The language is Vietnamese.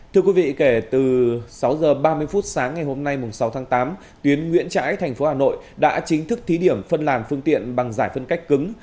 thưa quý vị kể từ sáu h ba mươi phút sáng ngày hôm nay sáu tháng tám tuyến nguyễn trãi thành phố hà nội đã chính thức thí điểm phân làn phương tiện bằng giải phân cách cứng